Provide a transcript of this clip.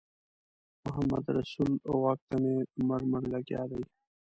محمدرسول غوږ ته مې مړ مړ لګیا دی.